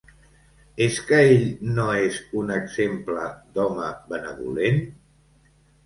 És que ell no és un exemple d'home benevolent?